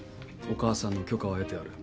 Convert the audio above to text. お母さんの許可は得てある。